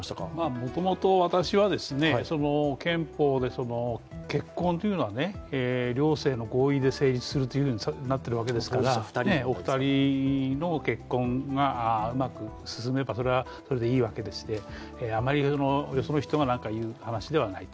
もともと私は、憲法で結婚というのは両性の合意で成立するとなってるわけですから、お二人の結婚がうまく進めばそれはそれでいいわけでしてあまりよその人が何か言う話ではないと。